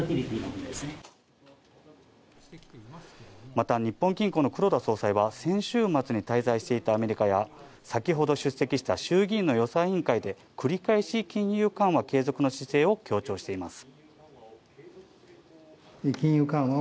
また、日本銀行の黒田総裁は先週末に滞在していたアメリカや、先ほど出席した衆議院の予算委員会で繰り返し金融緩和継続の姿勢を強調しています。